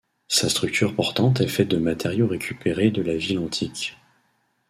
Sa structure portante est faite de matériaux récupérés de la ville antique.